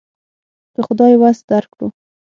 که خدای وس درکړو.